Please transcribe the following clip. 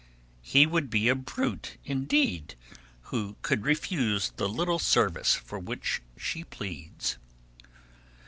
He would be a brute, indeed, who could refuse the little service for which she pleads.